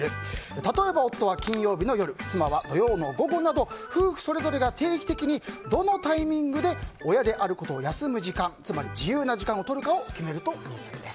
例えば、夫は金曜日の夜妻は土曜の午後など夫婦それぞれが定期的にどのタイミングで親であることを休む時間つまり自由な時間をとるか決めるといいそうです。